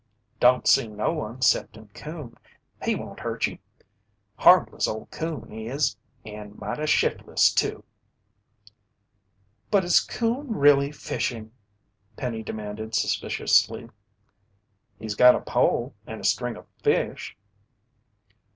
"Don't see no one 'cepting Coon. He won't hurt ye. Harmless, ole Coon is, an' mighty shiftless too." "But is Coon really fishing?" Penny demanded suspiciously. "He's got a pole and a string o' fish."